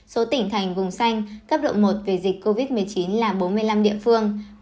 số tỉnh thành vùng xanh cấp độ một về dịch covid một mươi chín là bốn mươi năm địa phương